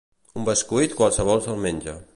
Un bescuit qualsevol se'l menja.